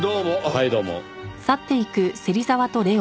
はいどうも。